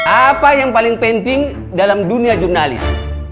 apa yang paling penting dalam dunia jurnalis